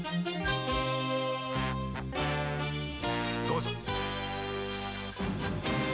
どうぞ。